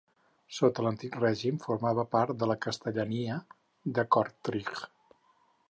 Sota l'antic règim formava part de la castellania de Kortrijk.